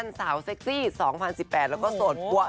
กั้นการสาวเซ็กซี่๒๐๑๘และโสดปวะ